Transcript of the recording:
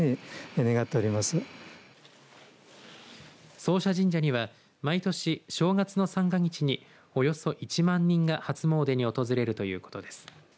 総社神社には毎年正月の三が日におよそ１万人が初詣に訪れるということです。